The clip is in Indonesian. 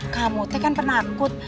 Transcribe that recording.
kamu tuh kan pernah takut